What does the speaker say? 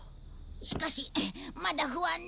しかしまだ不安だ。